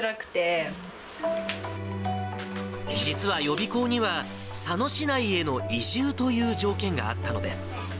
実は予備校には、佐野市内への移住という条件があったのです。